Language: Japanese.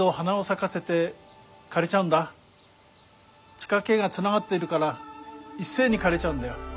地下けいがつながっているからいっせいにかれちゃうんだよ。